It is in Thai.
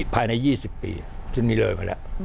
ภายใน๒๐ปียังมีรบเลยแล้ว